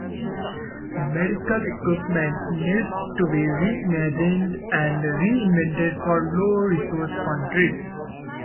Medical equipment needs to be re-imagined and re-invented for low resource countries.